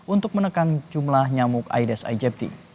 untuk menekan jumlah nyamuk aedes aegypti